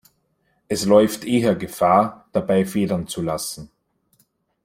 Es läuft eher Gefahr, dabei Federn zu lassen!